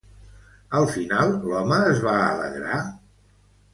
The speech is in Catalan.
Al final, l'home es va alegrar?